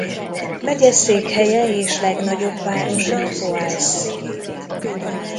Megyeszékhelye és legnagyobb városa Boise.